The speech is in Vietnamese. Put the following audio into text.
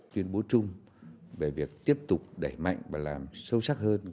tuyên bố chung về việc tiếp tục đẩy mạnh và làm sâu sắc hơn